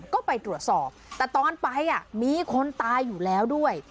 ก็ไปตรวจสอบแต่ตอนไปมีคนตายอยู่แล้วด้วย